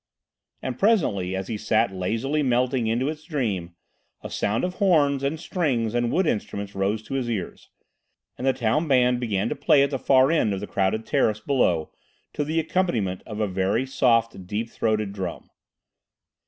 And, presently, as he sat lazily melting into its dream, a sound of horns and strings and wood instruments rose to his ears, and the town band began to play at the far end of the crowded terrace below to the accompaniment of a very soft, deep throated drum.